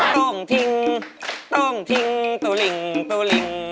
ต้องทิ้งต้องทิ้งตู้ลิงตัวลิง